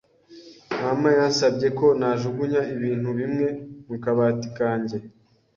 Mama yansabye ko najugunya ibintu bimwe mu kabati kanjye.